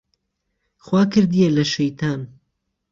خوا کردیه له شهیتان